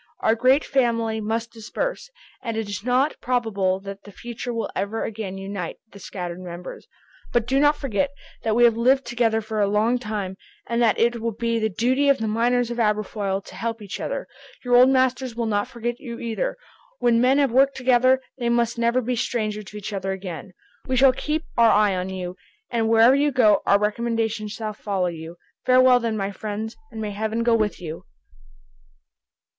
Our great family must disperse, and it is not probable that the future will ever again unite the scattered members. But do not forget that we have lived together for a long time, and that it will be the duty of the miners of Aberfoyle to help each other. Your old masters will not forget you either. When men have worked together, they must never be stranger to each other again. We shall keep our eye on you, and wherever you go, our recommendations shall follow you. Farewell then, my friends, and may Heaven be with you!"